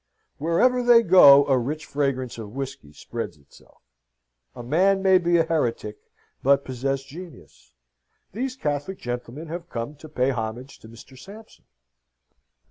Wherever they go a rich fragrance of whisky spreads itself. A man may be a heretic, but possess genius: these Catholic gentlemen have come to pay homage to Mr. Sampson.